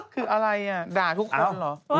คืออะไรด่าทุกคนเหรอ